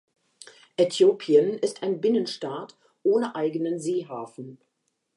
Äthiopien ist ein Binnenstaat ohne eigenen Seehafen.